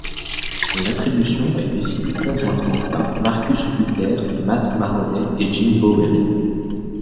L'attribution est décidée conjointement par Marcus Hutter, Matt Mahoney et Jim Bowery.